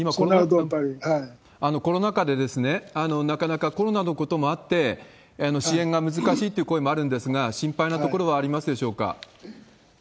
今コロナ禍で、なかなかコロナのこともあって、支援が難しいっていう声もあるんですが、心配なところはありますでしょうか？